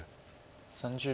３０秒。